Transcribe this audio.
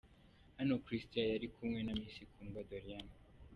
Hano Christian yari kumwe na Miss Kundwa Doriane.